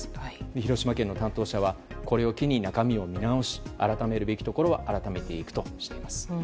広島県の担当者はこれを機に中身を見直し改めるべきところは改めるとしています。